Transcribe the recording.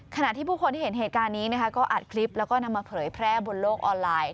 ขณะที่ผู้คนที่เห็นเหตุการณ์นี้นะคะก็อัดคลิปแล้วก็นำมาเผยแพร่บนโลกออนไลน์